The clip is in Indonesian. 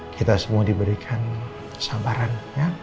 kita semua diberikan sabaran